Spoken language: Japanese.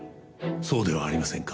そうではありませんか？